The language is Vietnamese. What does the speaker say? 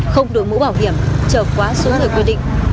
không được mũ bảo hiểm chở quá xuống để quyết định